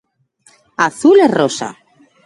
Azul e rosa.